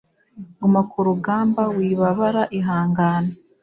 guma ku rugambawibabara, ihangane,